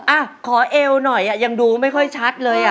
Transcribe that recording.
อ่ะขอเอวหน่อยยังดูไม่ค่อยชัดเลยอ่ะ